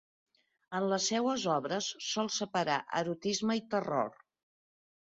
En les seues obres sol separar erotisme i terror.